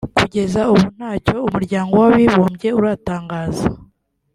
Kugeza ubu nta cyo Umuryango w’Abibumbye uratangaza